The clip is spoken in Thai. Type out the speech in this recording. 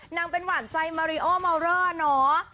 นางเป็นหวานใจมาริโอเมาเลอร์เนาะ